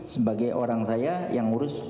sebagai orang saya yang ngurus